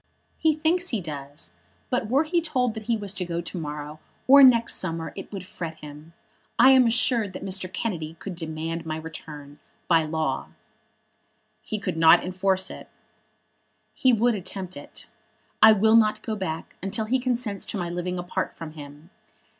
"He thinks he does; but were he told that he was to go to morrow, or next summer, it would fret him. I am assured that Mr. Kennedy could demand my return, by law." "He could not enforce it." "He would attempt it. I will not go back until he consents to my living apart from him.